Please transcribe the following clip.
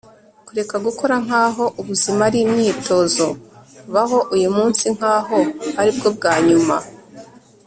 kureka gukora nkaho ubuzima ari imyitozo. baho uyumunsi nkaho aribwo bwa nyuma